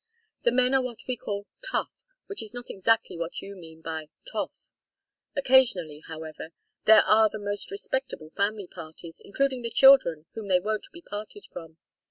The men are what we call 'tough,' which is not exactly what you mean by 'toff.' Occasionally, however, there are the most respectable family parties, including the children whom they won't be parted from.